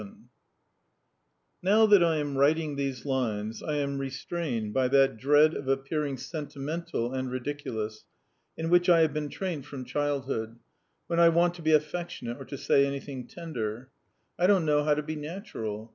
VII[edit] Now that I am writing these lines I am restrained by that dread of appearing sentimental and ridiculous, in which I have been trained from childhood; when I want to be affectionate or to say anything tender, I don't know how to be natural.